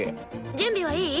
準備はいい？